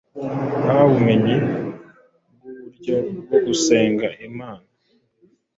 yahawe ubumenyi bwuburyo bwo gusenga imana